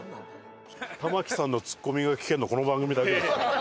玉木さんのツッコミが聞けるのこの番組だけですよ。